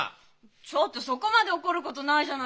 ちょっとそこまで怒ることないじゃないですか。